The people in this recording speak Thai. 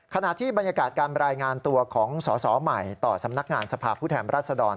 ขณะที่บรรยากาศการรายงานตัวของสอสอใหม่ต่อสำนักงานสภาพผู้แทนรัศดร